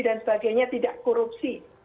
dan sebagainya tidak korupsi